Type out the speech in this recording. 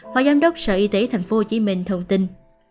phó giám đốc sở y tế tp hcm thông tin